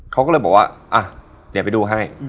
เขาก็เลยบอกว่าอ่ะเดี๋ยวไปดูให้